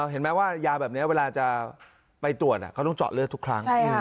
เห็นไหมว่ายาแบบนี้เวลาจะไปตรวจเขาต้องเจาะเลือดทุกครั้ง